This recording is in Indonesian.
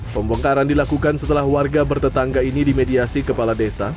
pembongkaran dilakukan setelah warga bertetangga ini dimediasi kepala desa